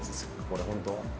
これ本当は。